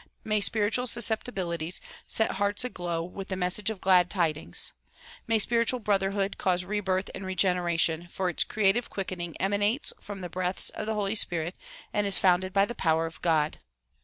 May spiritual susceptibilities set hearts aglow with the message of glad tidings. May spiritual brotherhood cause rebirth and regen eration, for its creative quickening emanates from the breaths of the Holy Spirit and is founded by the power of God.